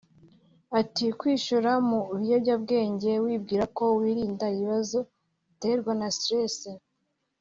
Ati “kwishora mu biyobyabwenge wibwira ko wirinda ibibazo uterwa na stress